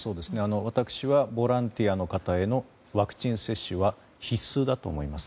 私はボランティアの方へのワクチン接種は必須だと思います。